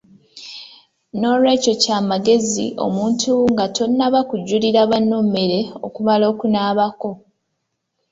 N'olwekyo kya magezi omuntu nga tonnaba kujjulira banno mmere okumala okunaabako.